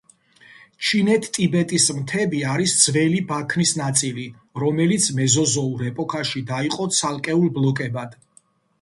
ჩინეთ-ტიბეტის მთები არის ძველი ბაქნის ნაწილი, რომელიც მეზოზოურ ეპოქაში დაიყო ცალკეულ ბლოკებად.